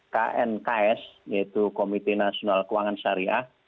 knks yaitu komite nasional keuangan syariah